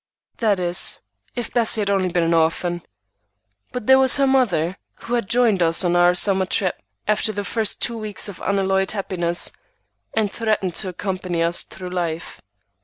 That is, if Bessie had only been an orphan. But there was her mother, who had joined us on our summer trip, after the first two weeks of unalloyed happiness, and threatened to accompany us through life.